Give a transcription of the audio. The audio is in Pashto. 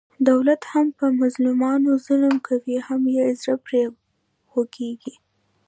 دولت هم په مظلومانو ظلم کوي، هم یې زړه پرې خوګېږي.